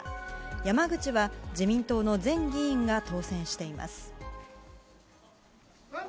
山口は自民党の前議員が当選しています。